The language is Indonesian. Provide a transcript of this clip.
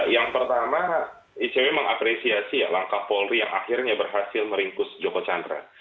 yang pertama icw mengapresiasi ya langkah polri yang akhirnya berhasil meringkus joko chandra